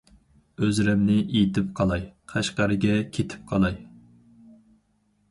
ئۆزرەمنى ئېيتىپ قالاي، ، قەشقەرگە كېتىپ قالاي.